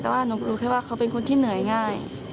แต่ว่าหนูรู้แค่ว่าเขาเป็นคนที่เหนื่อยง่าย